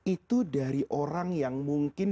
itu dari orang yang mungkin